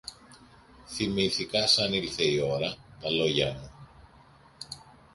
θυμήθηκα, σαν ήλθε η ώρα, τα λόγια μου.